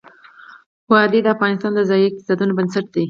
وادي د افغانستان د ځایي اقتصادونو بنسټ دی.